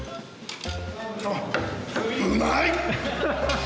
うまい！